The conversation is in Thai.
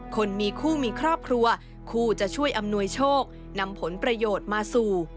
คนมีคู่มีครอบครัวคู่จะช่วยอำนวยโชคนำผลประโยชน์มาสู่